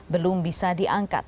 belum bisa diangkat